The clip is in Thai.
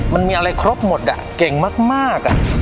มันมีอะไรครบหมดอ่ะเก่งมากอ่ะ